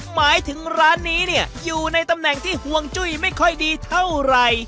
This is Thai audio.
หมายถึงร้านนี้เนี่ยอยู่ในตำแหน่งที่ห่วงจุ้ยไม่ค่อยดีเท่าไหร่